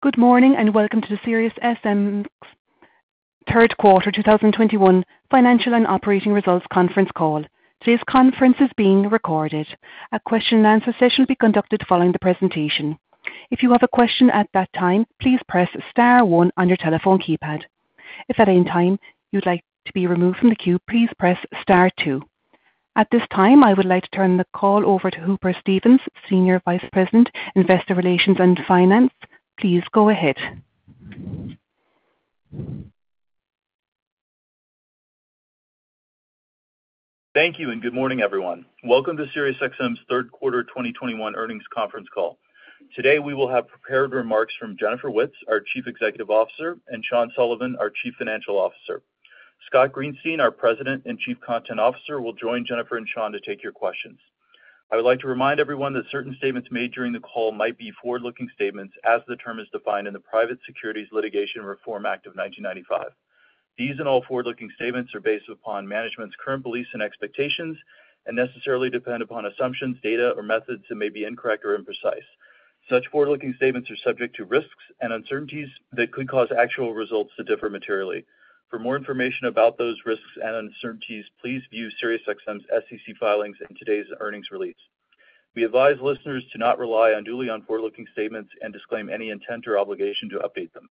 Good morning, and welcome to the SiriusXM's Third Quarter 2021 Financial and Operating Results Conference Call. Today's conference is being recorded. A Q&A session will be conducted following the presentation. If you have a question at that time, please press star one on your telephone keypad. If at any time you'd like to be removed from the queue, please press star two. At this time, I would like to turn the call over to Hooper Stevens, Senior Vice President, Investor Relations and Finance. Please go ahead. Thank you and good morning, everyone. Welcome to SiriusXM's third quarter 2021 earnings conference call. Today, we will have prepared remarks from Jennifer Witz, our Chief Executive Officer, and Sean Sullivan, our Chief Financial Officer. Scott Greenstein, our President and Chief Content Officer, will join Jennifer and Sean to take your questions. I would like to remind everyone that certain statements made during the call might be forward-looking statements as the term is defined in the Private Securities Litigation Reform Act of 1995. These and all forward-looking statements are based upon management's current beliefs and expectations and necessarily depend upon assumptions, data, or methods that may be incorrect or imprecise. Such forward-looking statements are subject to risks and uncertainties that could cause actual results to differ materially. For more information about those risks and uncertainties, please view SiriusXM's SEC filings in today's earnings release. We advise listeners to not rely unduly on forward-looking statements and disclaim any intent or obligation to update them.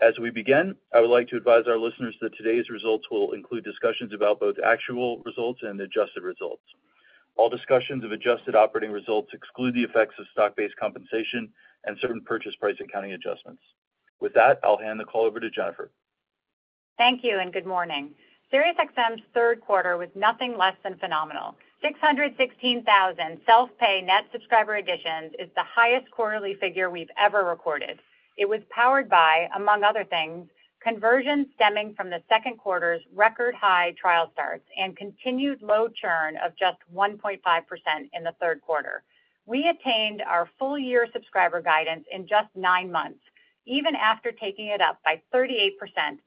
As we begin, I would like to advise our listeners that today's results will include discussions about both actual results and adjusted results. All discussions of adjusted operating results exclude the effects of stock-based compensation and certain purchase price accounting adjustments. With that, I'll hand the call over to Jennifer. Thank you and good morning. SiriusXM's third quarter was nothing less than phenomenal. 616,000 self-pay net subscriber additions is the highest quarterly figure we've ever recorded. It was powered by, among other things, conversions stemming from the second quarter's record-high trial starts and continued low churn of just 1.5% in the third quarter. We attained our full-year subscriber guidance in just nine months, even after taking it up by 38%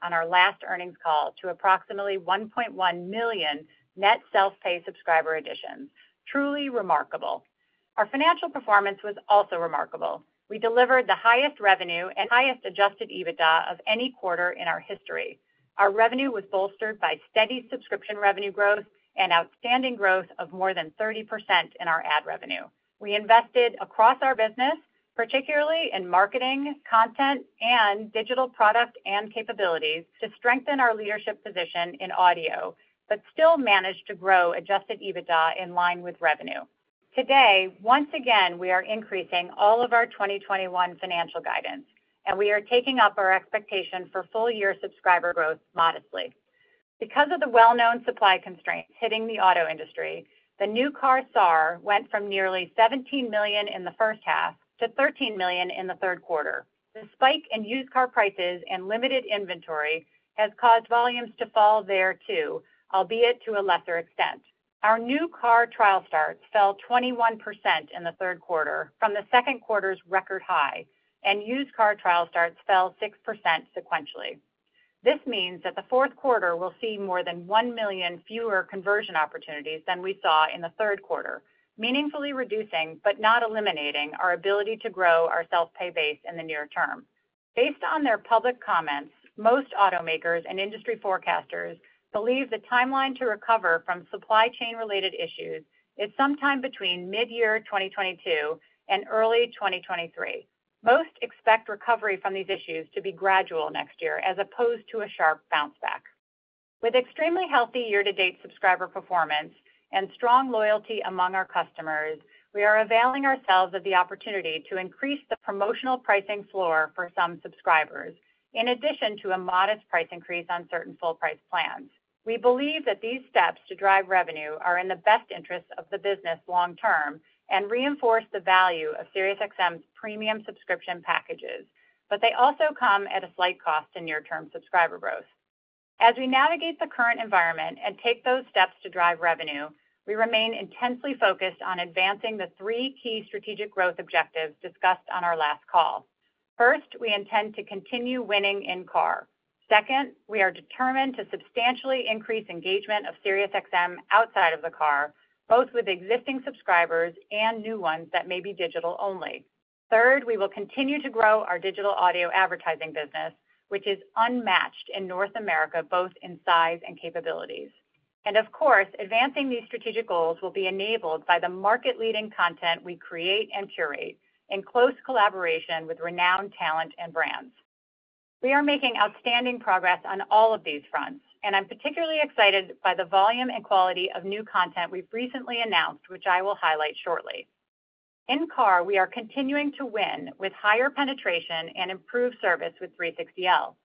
on our last earnings call to approximately 1.1 million net self-pay subscriber additions. Truly remarkable. Our financial performance was also remarkable. We delivered the highest revenue and highest adjusted EBITDA of any quarter in our history. Our revenue was bolstered by steady subscription revenue growth and outstanding growth of more than 30% in our ad revenue. We invested across our business, particularly in marketing, content, and digital product and capabilities to strengthen our leadership position in audio, but still managed to grow adjusted EBITDA in line with revenue. Today, once again, we are increasing all of our 2021 financial guidance, and we are taking up our expectation for full-year subscriber growth modestly. Because of the well-known supply constraints hitting the auto industry, the new car SAAR went from nearly 17 million in the first half to 13 million in the third quarter. The spike in used car prices and limited inventory has caused volumes to fall there too, albeit to a lesser extent. Our new car trial starts fell 21% in the third quarter from the second quarter's record high and used car trial starts fell 6% sequentially. This means that the fourth quarter will see more than 1 million fewer conversion opportunities than we saw in the third quarter, meaningfully reducing but not eliminating our ability to grow our self-pay base in the near term. Based on their public comments, most automakers and industry forecasters believe the timeline to recover from supply chain-related issues is sometime between mid-year 2022 and early 2023. Most expect recovery from these issues to be gradual next year as opposed to a sharp bounce back. With extremely healthy year-to-date subscriber performance and strong loyalty among our customers, we are availing ourselves of the opportunity to increase the promotional pricing floor for some subscribers in addition to a modest price increase on certain full price plans. We believe that these steps to drive revenue are in the best interest of the business long term and reinforce the value of SiriusXM's premium subscription packages, but they also come at a slight cost in near-term subscriber growth. As we navigate the current environment and take those steps to drive revenue, we remain intensely focused on advancing the three key strategic growth objectives discussed on our last call. First, we intend to continue winning in car. Second, we are determined to substantially increase engagement of SiriusXM outside of the car, both with existing subscribers and new ones that may be digital only. Third, we will continue to grow our digital audio advertising business, which is unmatched in North America, both in size and capabilities. Of course, advancing these strategic goals will be enabled by the market-leading content we create and curate in close collaboration with renowned talent and brands. We are making outstanding progress on all of these fronts, and I'm particularly excited by the volume and quality of new content we've recently announced, which I will highlight shortly. In car, we are continuing to win with higher penetration and improved service with 360L.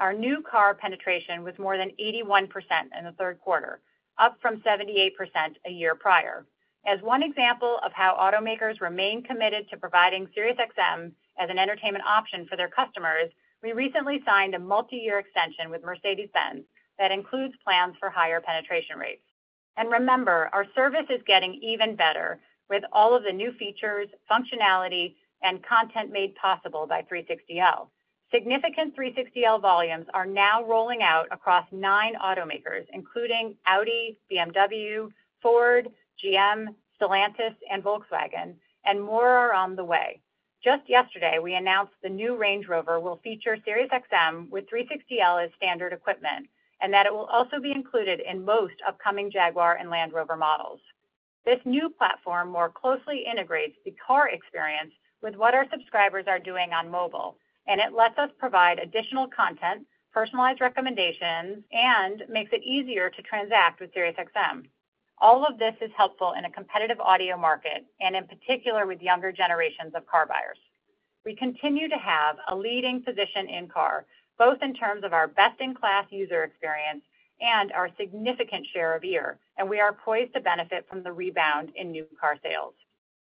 Our new car penetration was more than 81% in the third quarter, up from 78% a year prior. As one example of how automakers remain committed to providing SiriusXM as an entertainment option for their customers, we recently signed a multi-year extension with Mercedes-Benz that includes plans for higher penetration rates. Remember, our service is getting even better with all of the new features, functionality, and content made possible by 360L. Significant 360L volumes are now rolling out across nine automakers, including Audi, BMW, Ford, GM, Stellantis, and Volkswagen, and more are on the way. Just yesterday, we announced the new Range Rover will feature SiriusXM with 360L as standard equipment, and that it will also be included in most upcoming Jaguar and Land Rover models. This new platform more closely integrates the car experience with what our subscribers are doing on mobile, and it lets us provide additional content, personalized recommendations, and makes it easier to transact with SiriusXM. All of this is helpful in a competitive audio market, and in particular, with younger generations of car buyers. We continue to have a leading position in car, both in terms of our best-in-class user experience and our significant share of ear, and we are poised to benefit from the rebound in new car sales.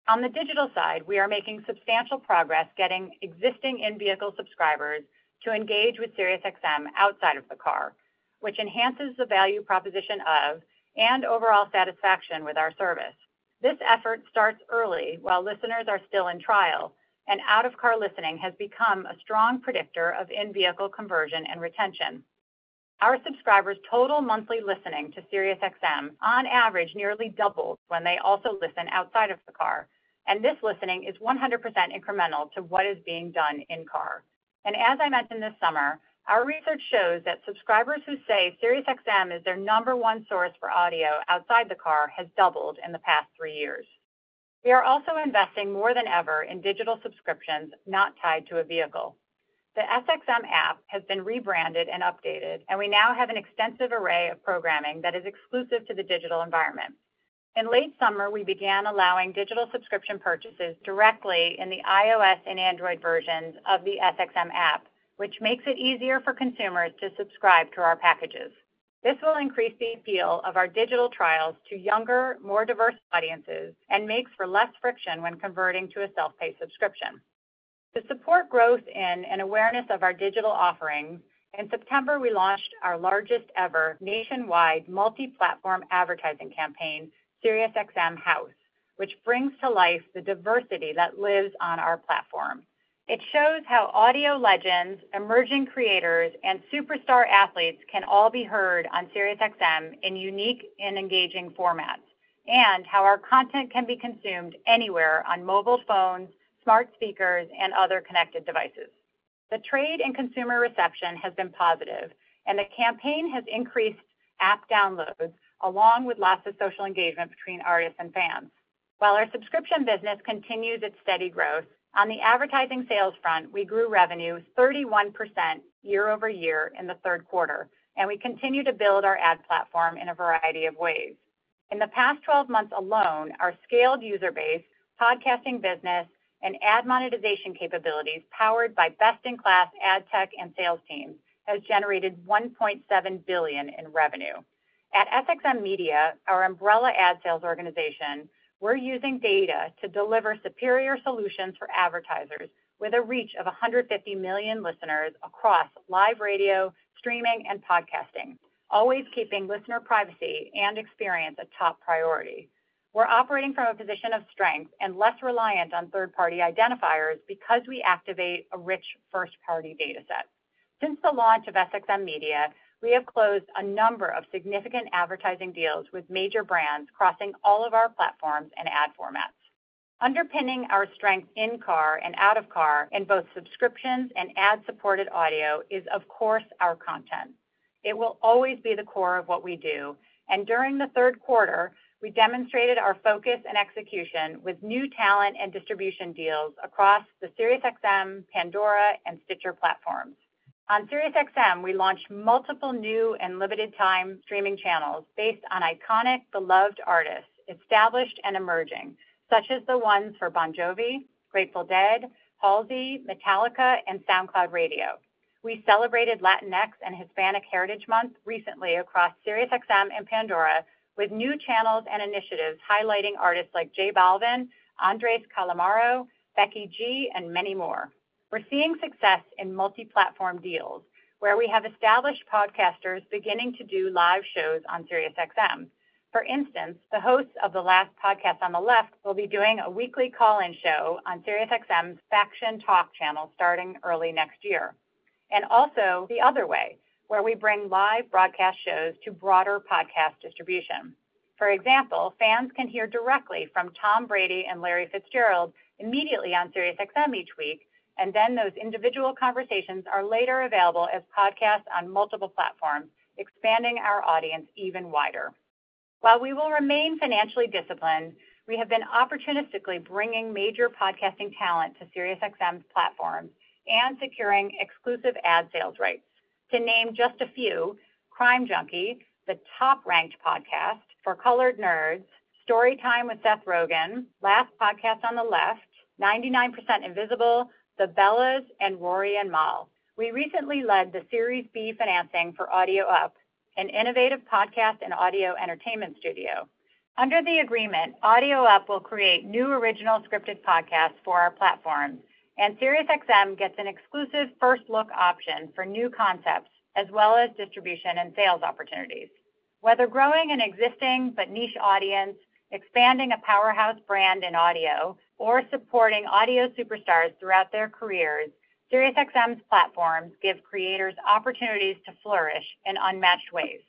On the digital side, we are making substantial progress getting existing in-vehicle subscribers to engage with SiriusXM outside of the car, which enhances the value proposition of and overall satisfaction with our service. This effort starts early while listeners are still in trial, and out-of-car listening has become a strong predictor of in-vehicle conversion and retention. Our subscribers' total monthly listening to SiriusXM on average nearly doubles when they also listen outside of the car, and this listening is 100% incremental to what is being done in-car. As I mentioned this summer, our research shows that subscribers who say SiriusXM is their number one source for audio outside the car has doubled in the past three years. We are also investing more than ever in digital subscriptions not tied to a vehicle. The SXM App has been rebranded and updated, and we now have an extensive array of programming that is exclusive to the digital environment. In late summer, we began allowing digital subscription purchases directly in the iOS and Android versions of the SXM App, which makes it easier for consumers to subscribe to our packages. This will increase the appeal of our digital trials to younger, more diverse audiences and makes for less friction when converting to a self-pay subscription. To support growth and an awareness of our digital offerings, in September, we launched our largest-ever nationwide multi-platform advertising campaign, SiriusXM House, which brings to life the diversity that lives on our platform. It shows how audio legends, emerging creators, and superstar athletes can all be heard on SiriusXM in unique and engaging formats and how our content can be consumed anywhere on mobile phones, smart speakers, and other connected devices. The trade and consumer reception has been positive, and the campaign has increased app downloads along with lots of social engagement between artists and fans. While our subscription business continues its steady growth, on the advertising sales front, we grew revenue 31% year-over-year in the third quarter, and we continue to build our ad platform in a variety of ways. In the past twelve months alone, our scaled user base, podcasting business, and ad monetization capabilities powered by best-in-class ad tech and sales teams has generated $1.7 billion in revenue. At SXM Media, our umbrella ad sales organization, we're using data to deliver superior solutions for advertisers with a reach of 150 million listeners across live radio, streaming, and podcasting, always keeping listener privacy and experience a top priority. We're operating from a position of strength and less reliant on third-party identifiers because we activate a rich first-party data set. Since the launch of SXM Media, we have closed a number of significant advertising deals with major brands crossing all of our platforms and ad formats. Underpinning our strength in-car and out-of-car in both subscriptions and ad-supported audio is, of course, our content. It will always be the core of what we do. During the third quarter, we demonstrated our focus and execution with new talent and distribution deals across the SiriusXM, Pandora, and Stitcher platforms. On SiriusXM, we launched multiple new and limited time streaming channels based on iconic beloved artists, established and emerging, such as the ones for Bon Jovi, Grateful Dead, Halsey, Metallica, and SoundCloud Radio. We celebrated Latinx and Hispanic Heritage Month recently across SiriusXM and Pandora with new channels and initiatives highlighting artists like J Balvin, Andrés Calamaro, Becky G, and many more. We're seeing success in multi-platform deals where we have established podcasters beginning to do live shows on SiriusXM. For instance, the hosts of the Last Podcast on the Left will be doing a weekly call-in show on SiriusXM's Faction Talk channel starting early next year. Also the other way, where we bring live broadcast shows to broader podcast distribution. For example, fans can hear directly from Tom Brady and Larry Fitzgerald immediately on SiriusXM each week, and then those individual conversations are later available as podcasts on multiple platforms, expanding our audience even wider. While we will remain financially disciplined, we have been opportunistically bringing major podcasting talent to SiriusXM's platform and securing exclusive ad sales rights. To name just a few, Crime Junkie, the top-ranked podcast For Colored Nerds, Storytime with Seth Rogen, Last Podcast on the Left, 99% Invisible, The Bellas, and Rory & MAL. We recently led the Series B financing for Audio Up, an innovative podcast and audio entertainment studio. Under the agreement, Audio Up will create new original scripted podcasts for our platform, and SiriusXM gets an exclusive first look option for new concepts as well as distribution and sales opportunities. Whether growing an existing but niche audience, expanding a powerhouse brand in audio, or supporting audio superstars throughout their careers, SiriusXM's platforms give creators opportunities to flourish in unmatched ways.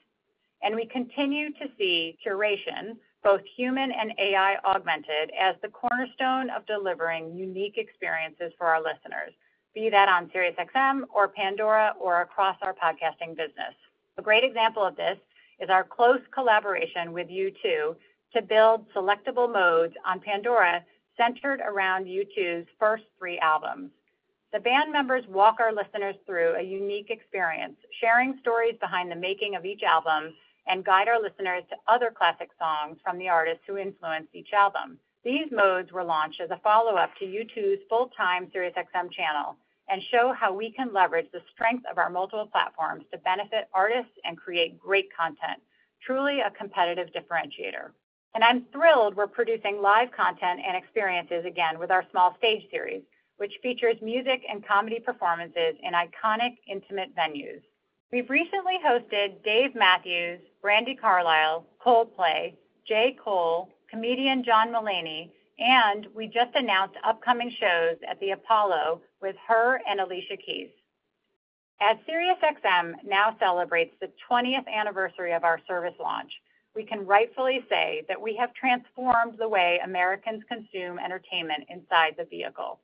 We continue to see curation, both human and AI-augmented, as the cornerstone of delivering unique experiences for our listeners, be that on SiriusXM or Pandora or across our podcasting business. A great example of this is our close collaboration with U2 to build selectable modes on Pandora centered around U2's first three albums. The band members walk our listeners through a unique experience, sharing stories behind the making of each album, and guide our listeners to other classic songs from the artists who influenced each album. These modes were launched as a follow-up to U2's full-time SiriusXM channel and show how we can leverage the strength of our multiple platforms to benefit artists and create great content, truly a competitive differentiator. I'm thrilled we're producing live content and experiences again with our Small Stage Series, which features music and comedy performances in iconic intimate venues. We've recently hosted Dave Matthews, Brandi Carlile, Coldplay, J. Cole, comedian John Mulaney, and we just announced upcoming shows at the Apollo with H.E.R. and Alicia Keys. As SiriusXM now celebrates the twentieth anniversary of our service launch, we can rightfully say that we have transformed the way Americans consume entertainment inside the vehicle.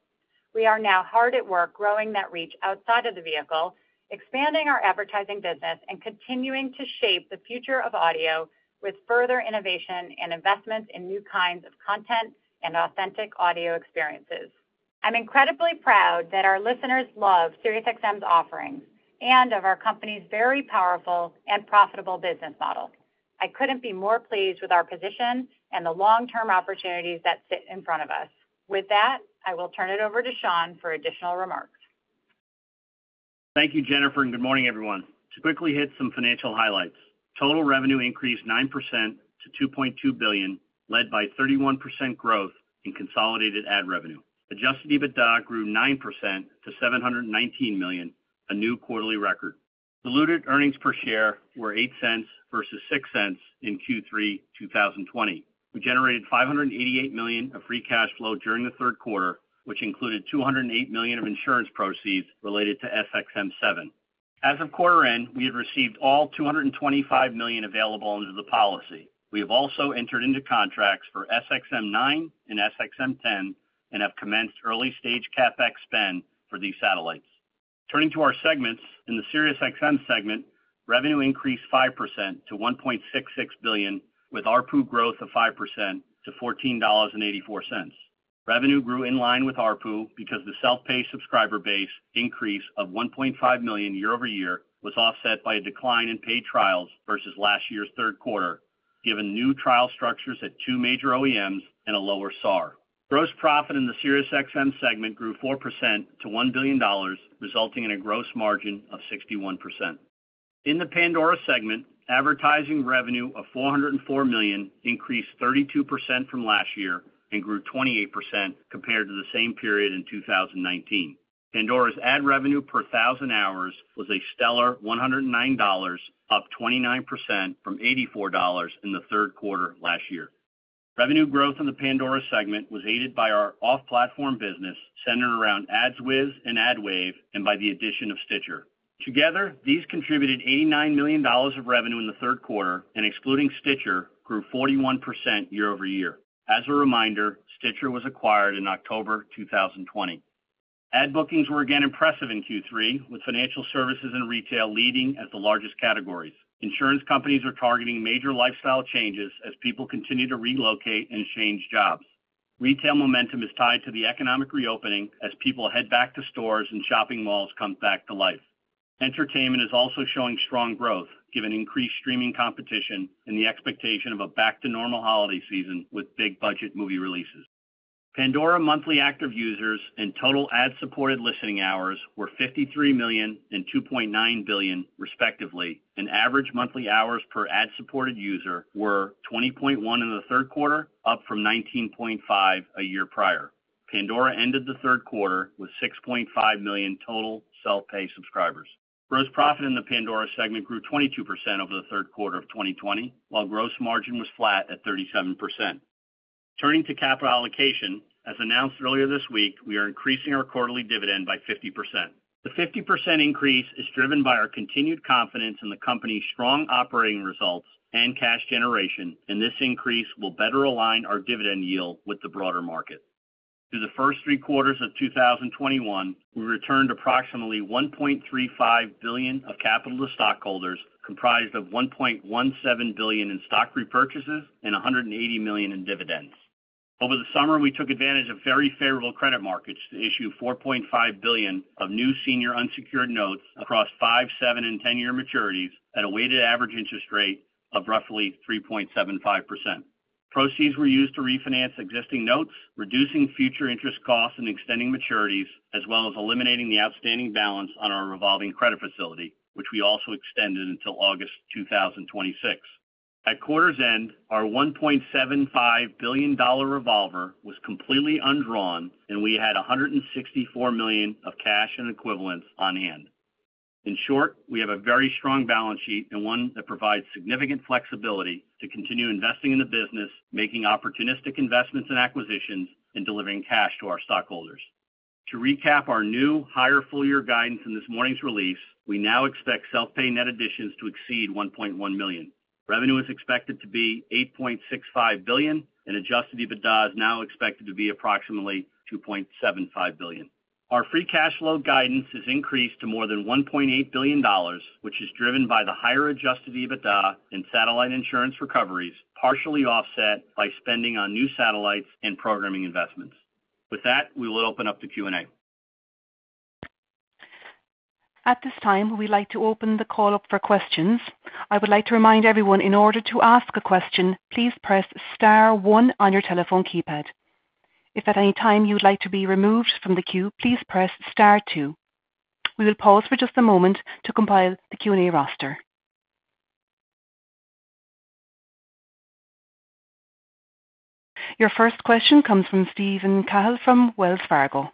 We are now hard at work growing that reach outside of the vehicle, expanding our advertising business, and continuing to shape the future of audio with further innovation and investments in new kinds of content and authentic audio experiences. I'm incredibly proud that our listeners love SiriusXM's offerings and of our company's very powerful and profitable business model. I couldn't be more pleased with our position and the long-term opportunities that sit in front of us. With that, I will turn it over to Sean for additional remarks. Thank you, Jennifer, and good morning, everyone. To quickly hit some financial highlights, total revenue increased 9% to $2.2 billion, led by 31% growth in consolidated ad revenue. Adjusted EBITDA grew 9% to $719 million, a new quarterly record. Diluted earnings per share were $0.08 versus $0.06 in Q3 2020. We generated $588 million of free cash flow during the third quarter, which included $208 million of insurance proceeds related to SXM-7. As of quarter end, we have received all $225 million available under the policy. We have also entered into contracts for SXM-9 and SXM-10and have commenced early-stage CapEx spend for these satellites. Turning to our segments, in the SiriusXM segment, revenue increased 5% to $1.66 billion, with ARPU growth of 5% to $14.84. Revenue grew in line with ARPU because the self-pay subscriber base increase of 1.5 million year-over-year was offset by a decline in paid trials versus last year's third quarter, given new trial structures at two major OEMs and a lower SAR. Gross profit in the SiriusXM segment grew 4% to $1 billion, resulting in a gross margin of 61%. In the Pandora segment, advertising revenue of $404 million increased 32% from last year and grew 28% compared to the same period in 2019. Pandora's ad revenue per thousand hours was a stellar $109, up 29% from $84 in the third quarter of last year. Revenue growth in the Pandora segment was aided by our off-platform business centered around AdsWizz and AdWave and by the addition of Stitcher. Together, these contributed $89 million of revenue in the third quarter and, excluding Stitcher, grew 41% year-over-year. As a reminder, Stitcher was acquired in October 2020. Ad bookings were again impressive in Q3, with financial services and retail leading as the largest categories. Insurance companies are targeting major lifestyle changes as people continue to relocate and change jobs. Retail momentum is tied to the economic reopening as people head back to stores and shopping malls come back to life. Entertainment is also showing strong growth, given increased streaming competition and the expectation of a back-to-normal holiday season with big-budget movie releases. Pandora monthly active users and total ad-supported listening hours were 53 million and 2.9 billion, respectively, and average monthly hours per ad-supported user were 20.1 in the third quarter, up from 19.5 a year prior. Pandora ended the third quarter with 6.5 million total self-pay subscribers. Gross profit in the Pandora segment grew 22% over the third quarter of 2020, while gross margin was flat at 37%. Turning to capital allocation, as announced earlier this week, we are increasing our quarterly dividend by 50%. The 50% increase is driven by our continued confidence in the company's strong operating results and cash generation, and this increase will better align our dividend yield with the broader market. Through the first three quarters of 2021, we returned approximately $1.35 billion of capital to stockholders, comprised of $1.17 billion in stock repurchases and $180 million in dividends. Over the summer, we took advantage of very favorable credit markets to issue $4.5 billion of new senior unsecured notes across five, seven, and 10-year maturities at a weighted average interest rate of roughly 3.75%. Proceeds were used to refinance existing notes, reducing future interest costs and extending maturities, as well as eliminating the outstanding balance on our revolving credit facility, which we also extended until August 2026. At quarter's end, our $1.75 billion revolver was completely undrawn, and we had $164 million of cash and equivalents on hand. In short, we have a very strong balance sheet and one that provides significant flexibility to continue investing in the business, making opportunistic investments and acquisitions, and delivering cash to our stockholders. To recap our new higher full-year guidance in this morning's release, we now expect self-pay net additions to exceed 1.1 million. Revenue is expected to be $8.65 billion, and adjusted EBITDA is now expected to be approximately $2.75 billion. Our free cash flow guidance has increased to more than $1.8 billion, which is driven by the higher adjusted EBITDA and satellite insurance recoveries, partially offset by spending on new satellites and programming investments. With that, we will open up to Q&A. At this time, we'd like to open the call up for questions. I would like to remind everyone in order to ask a question, please press star one on your telephone keypad. If at any time you'd like to be removed from the queue, please press star two. We will pause for just a moment to compile the Q&A roster. Your first question comes from Steven Cahall from Wells Fargo.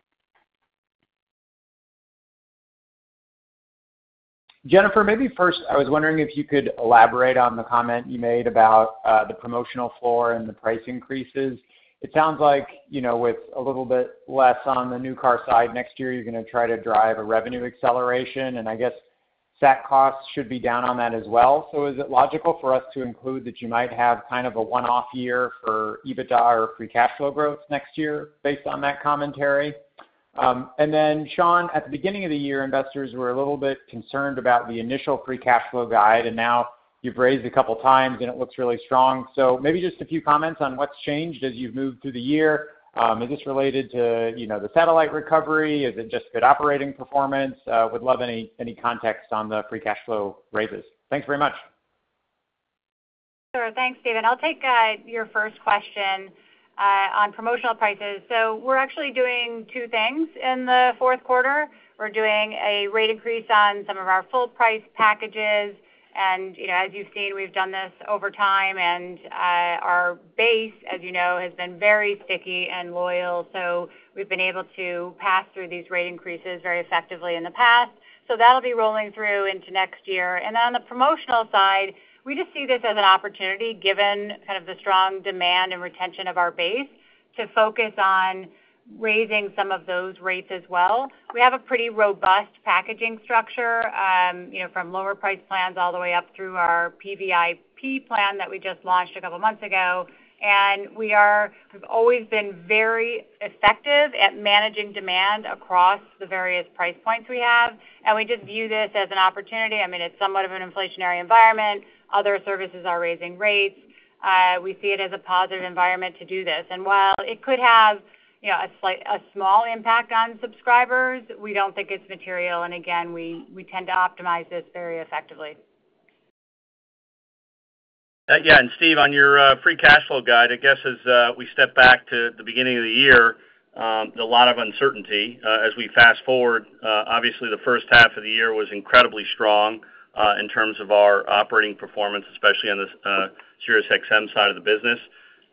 Jennifer, maybe first, I was wondering if you could elaborate on the comment you made about the promotional floor and the price increases. It sounds like, you know, with a little bit less on the new car side next year, you're gonna try to drive a revenue acceleration, and I guess SAC costs should be down on that as well. Is it logical for us to include that you might have kind of a one-off year for EBITDA or free cash flow growth next year based on that commentary? Sean, at the beginning of the year, investors were a little bit concerned about the initial free cash flow guide, and now you've raised a couple of times, and it looks really strong. Maybe just a few comments on what's changed as you've moved through the year. Is this related to, you know, the satellite recovery? Is it just good operating performance? Would love any context on the free cash flow raises. Thanks very much. Sure. Thanks, Steven. I'll take your first question on promotional prices. We're actually doing two things in the fourth quarter. We're doing a rate increase on some of our full price packages. You know, as you've seen, we've done this over time, and our base, as you know, has been very sticky and loyal, so we've been able to pass through these rate increases very effectively in the past. That'll be rolling through into next year. Then on the promotional side, we just see this as an opportunity given kind of the strong demand and retention of our base to focus on raising some of those rates as well. We have a pretty robust packaging structure, you know, from lower price plans all the way up through our Platinum VIP plan that we just launched a couple of months ago. We've always been very effective at managing demand across the various price points we have, and we just view this as an opportunity. I mean, it's somewhat of an inflationary environment. Other services are raising rates. We see it as a positive environment to do this. While it could have, you know, a small impact on subscribers, we don't think it's material and again, we tend to optimize this very effectively. Yeah. Steve, on your free cash flow guide, I guess as we step back to the beginning of the year, a lot of uncertainty, as we fast-forward, obviously the first half of the year was incredibly strong in terms of our operating performance, especially on the SiriusXM side of the business.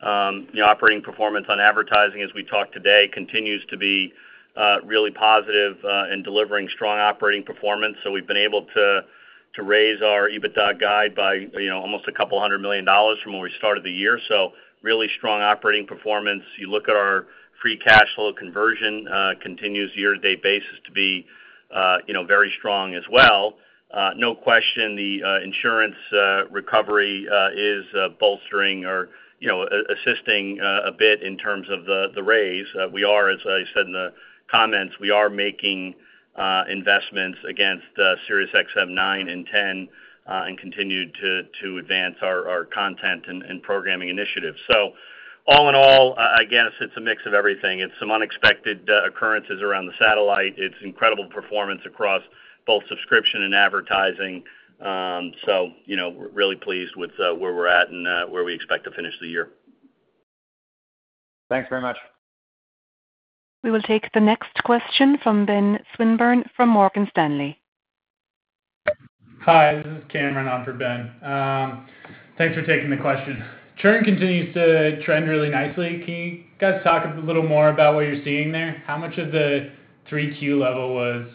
The operating performance on advertising, as we talked today, continues to be really positive in delivering strong operating performance. We've been able to raise our EBITDA guide by, you know, almost $200 million from when we started the year. Really strong operating performance. You look at our free cash flow conversion continues on a year-to-date basis to be, you know, very strong as well. No question the insurance recovery is bolstering or, you know, assisting a bit in terms of the raise. We are, as I said in the comments, making investments against SiriusXM-9 and 10 and continue to advance our content and programming initiatives. All in all, again, it's a mix of everything. It's some unexpected occurrences around the satellite. It's incredible performance across both subscription and advertising. You know, we're really pleased with where we're at and where we expect to finish the year. Thanks very much. We will take the next question from Ben Swinburne from Morgan Stanley. Hi, this is Cameron on for Ben. Thanks for taking the question. Churn continues to trend really nicely. Can you guys talk a little more about what you're seeing there? How much of the Q3 level was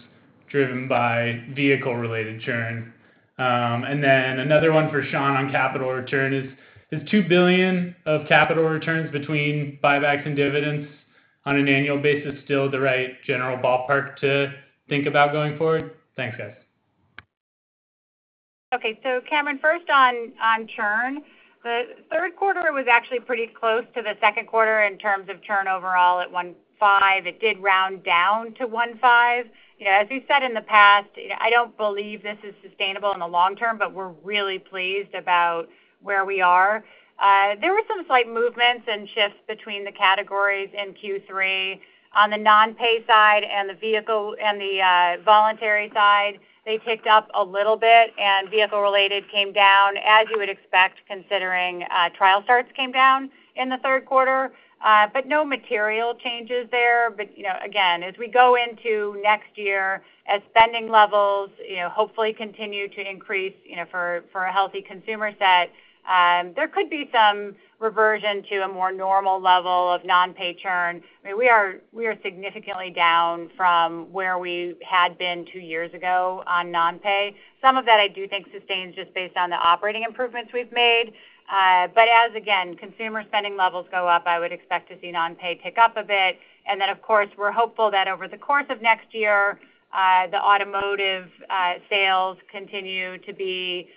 driven by vehicle-related churn? Another one for Sean on capital return. Is $2 billion of capital returns between buybacks and dividends on an annual basis still the right general ballpark to think about going forward? Thanks, guys. Okay. Cameron, first on churn. The third quarter was actually pretty close to the second quarter in terms of churn overall at 1.5%. It did round down to 1.5%. You know, as we've said in the past, you know, I don't believe this is sustainable in the long term, but we're really pleased about where we are. There were some slight movements and shifts between the categories in Q3. On the non-pay side and the vehicle and the voluntary side, they ticked up a little bit, and vehicle-related came down, as you would expect, considering trial starts came down in the third quarter. But no material changes there. You know, again, as we go into next year, as spending levels, you know, hopefully continue to increase, you know, for a healthy consumer set, there could be some reversion to a more normal level of non-pay churn. I mean, we are significantly down from where we had been two years ago on non-pay. Some of that I do think sustains just based on the operating improvements we've made. But as, again, consumer spending levels go up, I would expect to see non-pay tick up a bit. And then, of course, we're hopeful that over the course of next year, the automotive sales continue to be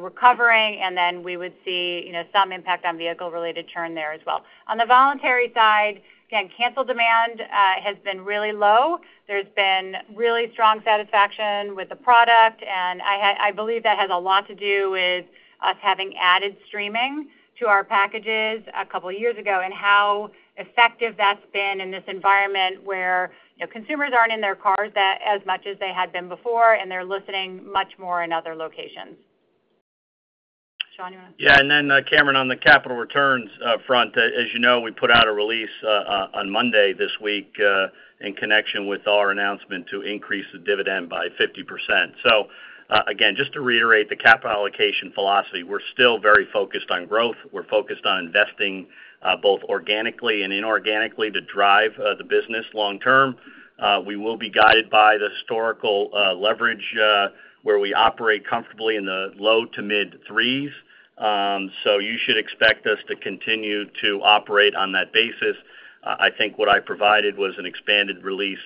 recovering, and then we would see, you know, some impact on vehicle-related churn there as well. On the voluntary side, again, cancel demand has been really low. There's been really strong satisfaction with the product, and I believe that has a lot to do with us having added streaming to our packages a couple years ago and how effective that's been in this environment where, you know, consumers aren't in their cars as much as they had been before, and they're listening much more in other locations. Sean, you wanna- Yeah, Cameron, on the capital returns front, as you know, we put out a release on Monday this week in connection with our announcement to increase the dividend by 50%. Again, just to reiterate the capital allocation philosophy, we're still very focused on growth. We're focused on investing both organically and inorganically to drive the business long term. We will be guided by the historical leverage where we operate comfortably in the low to mid threes. You should expect us to continue to operate on that basis. I think what I provided was an expanded release,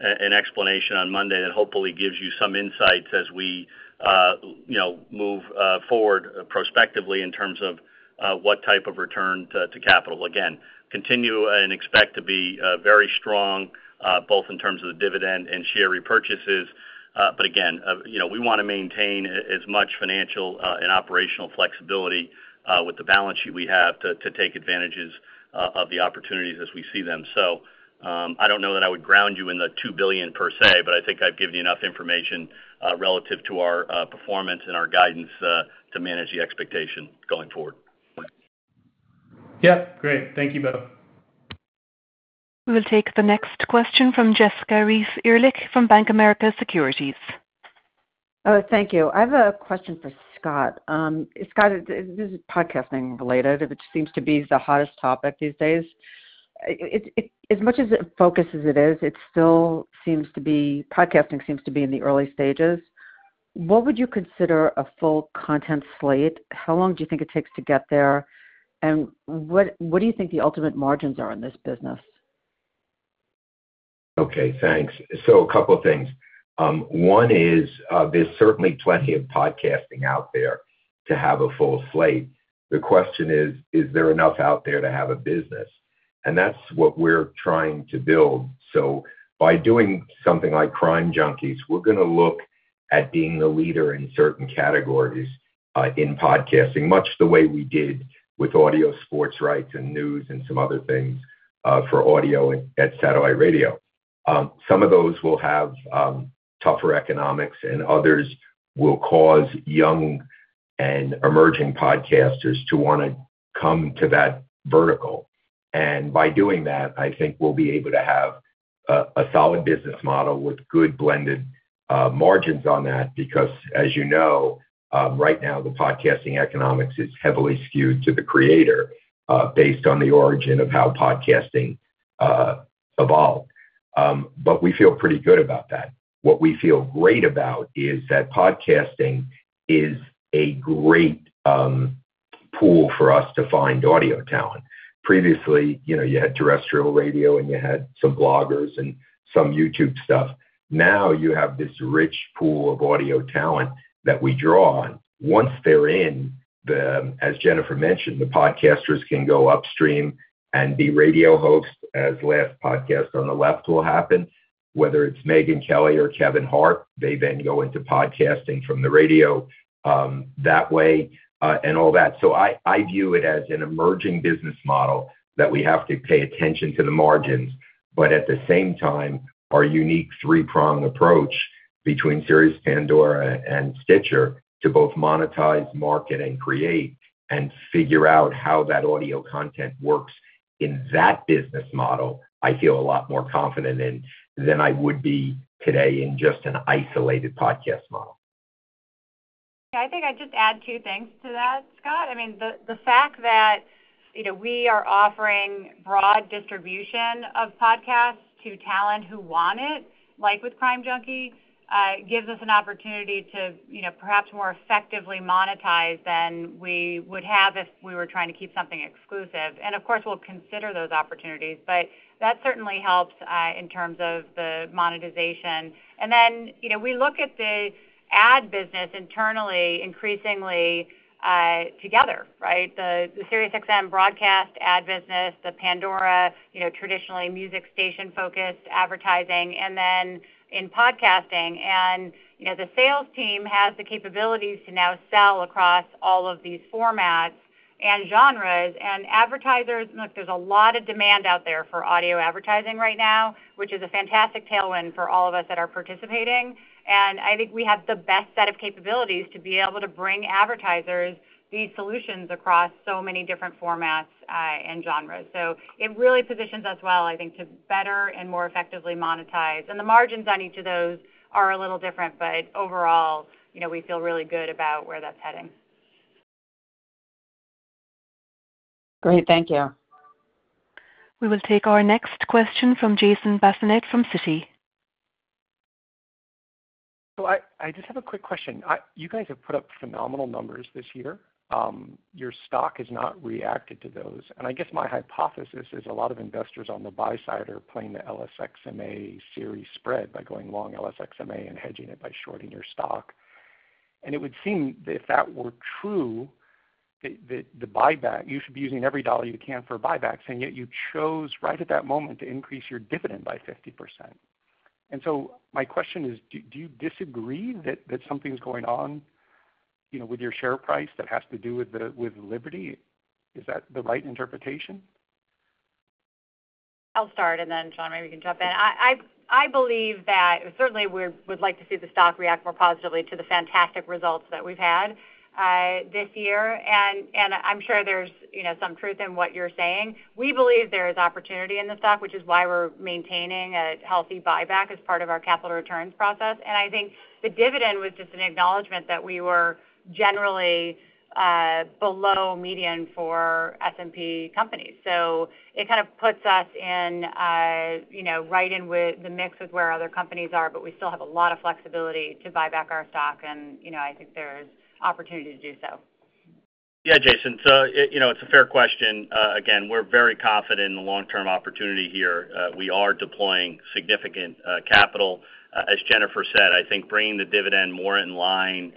an explanation on Monday that hopefully gives you some insights as we you know move forward prospectively in terms of what type of return to capital. We again continue and expect to be very strong both in terms of the dividend and share repurchases. Again, you know, we wanna maintain as much financial and operational flexibility with the balance sheet we have to take advantage of the opportunities as we see them. I don't know that I would ground you in the $2 billion per se, but I think I've given you enough information relative to our performance and our guidance to manage the expectation going forward. Yeah. Great. Thank you both. We'll take the next question from Jessica Reif Ehrlich from Bank of America Securities. Oh, thank you. I have a question for Scott. Scott, this is podcasting related, which seems to be the hottest topic these days. It still seems to be. Podcasting seems to be in the early stages. What would you consider a full content slate? How long do you think it takes to get there? And what do you think the ultimate margins are in this business? Okay, thanks. A couple things. One is, there's certainly plenty of podcasting out there to have a full slate. The question is there enough out there to have a business? That's what we're trying to build. By doing something like Crime Junkie, we're gonna look at being the leader in certain categories in podcasting, much the way we did with audio sports rights and news and some other things for audio at satellite radio. Some of those will have tougher economics and others will cause young and emerging podcasters to wanna come to that vertical. By doing that, I think we'll be able to have a solid business model with good blended margins on that. Because as you know, right now, the podcasting economics is heavily skewed to the creator, based on the origin of how podcasting evolved. But we feel pretty good about that. What we feel great about is that podcasting is a great pool for us to find audio talent. Previously, you know, you had terrestrial radio, and you had some bloggers and some YouTube stuff. Now you have this rich pool of audio talent that we draw on. Once they're in, as Jennifer mentioned, the podcasters can go upstream and be radio hosts as Last Podcast on the Left will happen, whether it's Megyn Kelly or Kevin Hart, they then go into podcasting from the radio, that way, and all that. I view it as an emerging business model that we have to pay attention to the margins, but at the same time, our unique three-pronged approach between SiriusXM, Pandora, and Stitcher to both monetize, market, and create and figure out how that audio content works in that business model. I feel a lot more confident in than I would be today in just an isolated podcast model. Yeah, I think I'd just add two things to that, Scott. I mean, the fact that, you know, we are offering broad distribution of podcasts to talent who want it, like with Crime Junkie, gives us an opportunity to, you know, perhaps more effectively monetize than we would have if we were trying to keep something exclusive. Of course, we'll consider those opportunities, but that certainly helps in terms of the monetization. Then, you know, we look at the ad business internally, increasingly, together, right? The SiriusXM broadcast ad business, the Pandora, you know, traditionally music station-focused advertising, and then in podcasting. You know, the sales team has the capabilities to now sell across all of these formats and genres and advertisers. Look, there's a lot of demand out there for audio advertising right now, which is a fantastic tailwind for all of us that are participating. I think we have the best set of capabilities to be able to bring advertisers these solutions across so many different formats, and genres. It really positions us well, I think, to better and more effectively monetize. The margins on each of those are a little different, but overall, you know, we feel really good about where that's heading. Great. Thank you. We will take our next question from Jason Bazinet from Citi. I just have a quick question. You guys have put up phenomenal numbers this year. Your stock has not reacted to those. I guess my hypothesis is a lot of investors on the buy side are playing the LSXMA Sirius spread by going long LSXMA and hedging it by shorting your stock. It would seem if that were true, the buyback, you should be using every dollar you can for buybacks, and yet you chose right at that moment to increase your dividend by 50%. My question is, do you disagree that something's going on, you know, with your share price that has to do with Liberty? Is that the right interpretation? I'll start, and then, Sean, maybe you can jump in. I believe that certainly we would like to see the stock react more positively to the fantastic results that we've had this year. I'm sure there's, you know, some truth in what you're saying. We believe there is opportunity in the stock, which is why we're maintaining a healthy buyback as part of our capital returns process. I think the dividend was just an acknowledgment that we were generally below median for S&P companies. It kind of puts us in, you know, right in with the mix of where other companies are, but we still have a lot of flexibility to buy back our stock and, you know, I think there's opportunity to do so. Yeah, Jason. You know, it's a fair question. Again, we're very confident in the long-term opportunity here. We are deploying significant capital. As Jennifer said, I think bringing the dividend more in line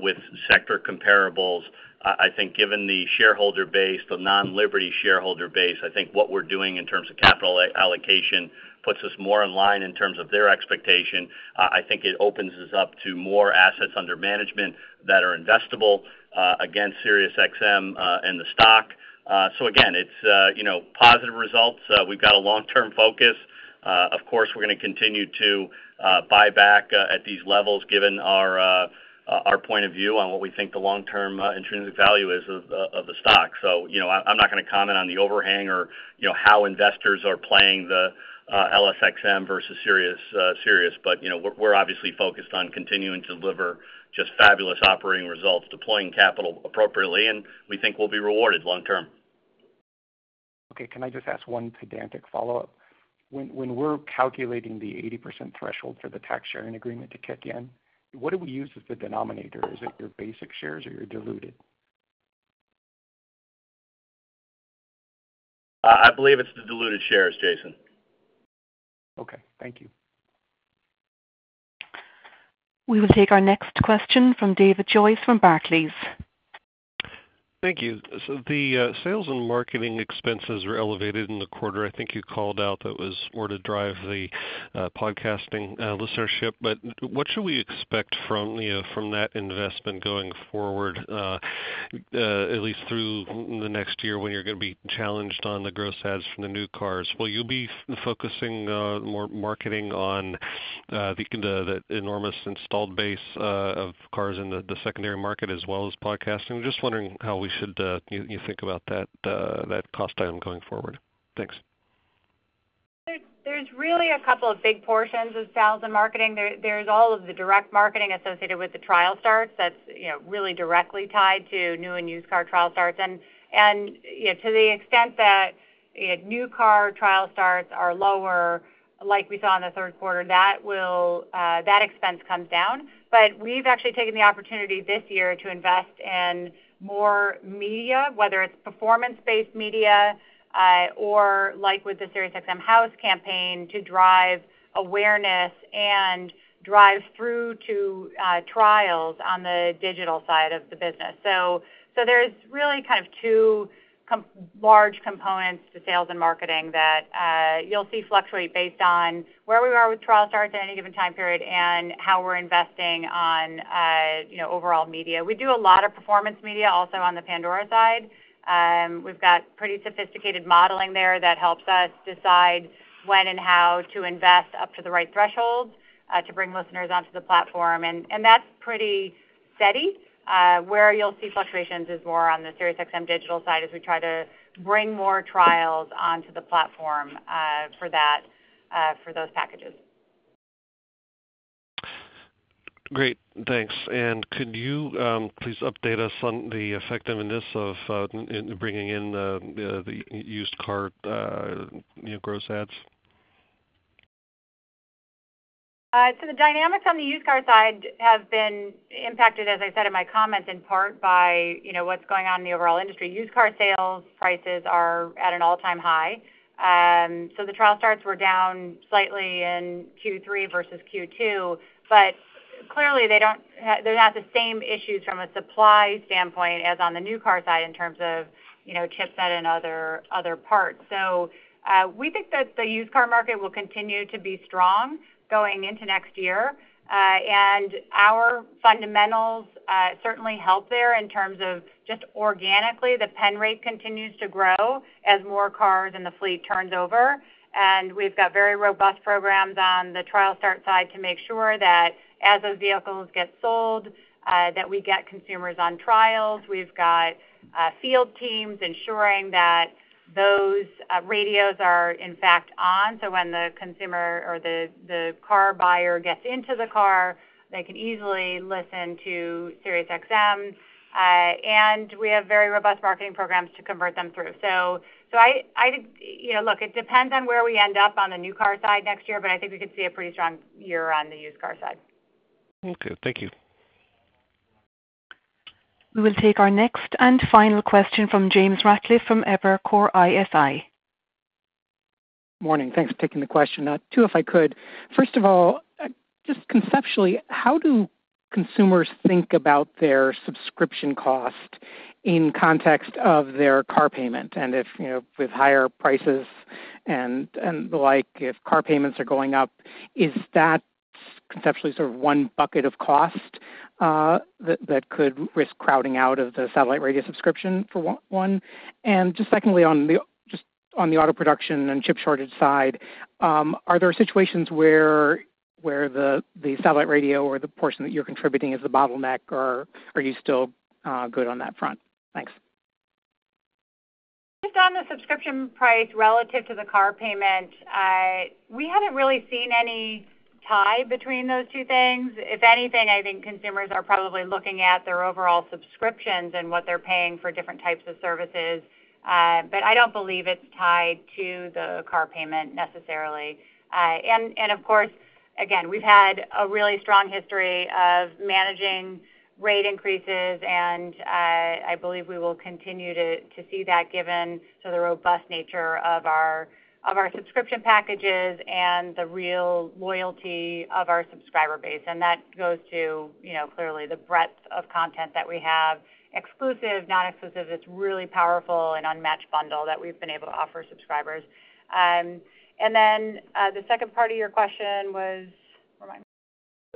with sector comparables. I think given the shareholder base, the non-Liberty shareholder base, I think what we're doing in terms of capital allocation puts us more in line in terms of their expectation. I think it opens us up to more assets under management that are investable against SiriusXM and the stock. Again, it's you know, positive results. We've got a long-term focus. Of course, we're gonna continue to buy back at these levels given our point of view on what we think the long-term intrinsic value is of the stock. You know, I'm not gonna comment on the overhang or, you know, how investors are playing the LSXMA versus Sirius. You know, we're obviously focused on continuing to deliver just fabulous operating results, deploying capital appropriately, and we think we'll be rewarded long term. Okay. Can I just ask one pedantic follow-up? When we're calculating the 80% threshold for the tax sharing agreement to kick in, what do we use as the denominator? Is it your basic shares or your diluted? I believe it's the diluted shares, Jason. Okay, thank you. We will take our next question from David Joyce from Barclays. Thank you. The sales and marketing expenses were elevated in the quarter. I think you called out that was more to drive the podcasting listenership. What should we expect from, you know, from that investment going forward, at least through the next year when you're gonna be challenged on the gross adds from the new cars? Will you be focusing more marketing on the enormous installed base of cars in the secondary market as well as podcasting? I'm just wondering how we should you think about that cost item going forward. Thanks. There's really a couple of big portions of sales and marketing. There's all of the direct marketing associated with the trial starts that's you know really directly tied to new and used car trial starts. To the extent that you know new car trial starts are lower, like we saw in the third quarter, that expense comes down. But we've actually taken the opportunity this year to invest in more media, whether it's performance-based media or like with the SiriusXM House campaign, to drive awareness and drive through to trials on the digital side of the business. There's really kind of two large components to sales and marketing that you'll see fluctuate based on where we are with trial starts at any given time period and how we're investing in you know overall media. We do a lot of performance media also on the Pandora side. We've got pretty sophisticated modeling there that helps us decide when and how to invest up to the right threshold to bring listeners onto the platform. That's pretty steady. Where you'll see fluctuations is more on the SiriusXM digital side as we try to bring more trials onto the platform for those packages. Great. Thanks. Could you please update us on the effectiveness in bringing in the used car new gross adds? The dynamics on the used car side have been impacted, as I said in my comments, in part by, you know, what's going on in the overall industry. Used car sales prices are at an all-time high. The trial starts were down slightly in Q3 versus Q2. Clearly they don't have the same issues from a supply standpoint as on the new car side in terms of, you know, chipset and other parts. We think that the used car market will continue to be strong going into next year. Our fundamentals certainly help there in terms of just organically, the pen rate continues to grow as more cars in the fleet turns over. We've got very robust programs on the trial start side to make sure that as those vehicles get sold, that we get consumers on trials. We've got field teams ensuring that those radios are in fact on, so when the consumer or the car buyer gets into the car, they can easily listen to SiriusXM. We have very robust marketing programs to convert them through. So I, you know, look, it depends on where we end up on the new car side next year, but I think we could see a pretty strong year on the used car side. Okay, thank you. We will take our next and final question from James Ratcliffe from Evercore ISI. Morning. Thanks for taking the question. Two, if I could. First of all, just conceptually, how do consumers think about their subscription cost in context of their car payment? If, you know, with higher prices and like, if car payments are going up, is that conceptually sort of one bucket of cost that could risk crowding out of the satellite radio subscription for one? Just secondly, on the auto production and chip shortage side, are there situations where the satellite radio or the portion that you're contributing is the bottleneck, or are you still good on that front? Thanks. Just on the subscription price relative to the car payment, we haven't really seen any tie between those two things. If anything, I think consumers are probably looking at their overall subscriptions and what they're paying for different types of services. I don't believe it's tied to the car payment necessarily. Of course, again, we've had a really strong history of managing rate increases, and I believe we will continue to see that given the robust nature of our subscription packages and the real loyalty of our subscriber base. That goes to, you know, clearly the breadth of content that we have, exclusive, non-exclusive. It's really powerful and unmatched bundle that we've been able to offer subscribers. The second part of your question was? Remind me.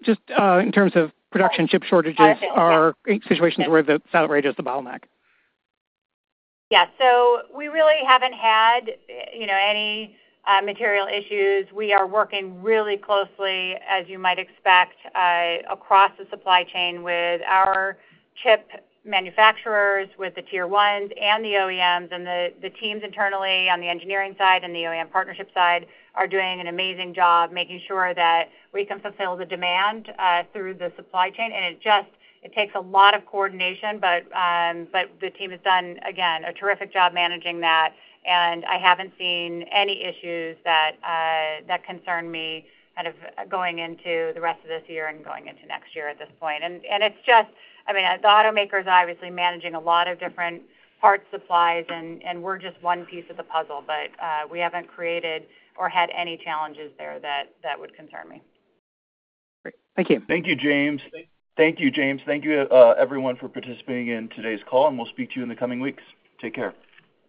Just, in terms of production chip shortages. There are situations where the satellite radio is the bottleneck. Yeah. We really haven't had, you know, any, material issues. We are working really closely, as you might expect, across the supply chain with our chip manufacturers, with the tier ones and the OEMs. The teams internally on the engineering side and the OEM partnership side are doing an amazing job making sure that we can fulfill the demand, through the supply chain. It just takes a lot of coordination, but the team has done, again, a terrific job managing that. I haven't seen any issues that concern me kind of going into the rest of this year and going into next year at this point. It's just, I mean, as automakers obviously managing a lot of different parts supplies and we're just one piece of the puzzle, but we haven't created or had any challenges there that would concern me. Great. Thank you. Thank you, James. Thank you, everyone for participating in today's call, and we'll speak to you in the coming weeks. Take care.